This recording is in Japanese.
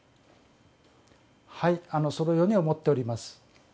そのように思っております。